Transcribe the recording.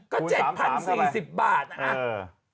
ก็๗๐๔๐บาทนะ